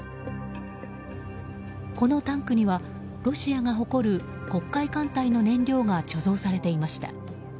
このタンクにはロシアが誇る黒海艦隊の燃料が貯蔵されていました。